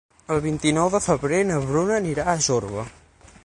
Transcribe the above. El vint-i-nou de febrer na Bruna anirà a Jorba.